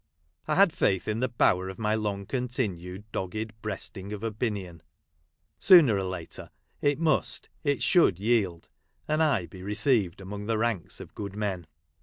I had faith in the power of my long continued dogged breasting of opinion. Sooner or later it must, it should, yield, and I be received among the ranks of good men.